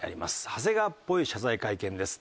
長谷川っぽい謝罪会見です。